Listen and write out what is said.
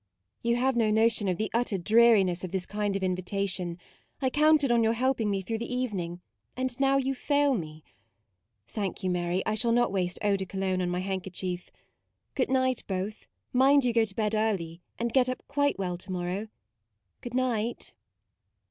u You have no notion of the utter dreariness of this kind of invitation: I counted on your helping me through the evening, and now you fail me. Thank you, Mary; I shall not waste eau de Cologne on my handkerchief. MAUDE 53 Good night, both: mind you go to bed early, and get up quite well, to morrow. Good night."